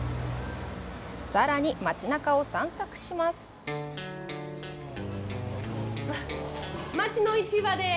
さらに、街なかを散策します。